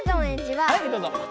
はいどうぞ。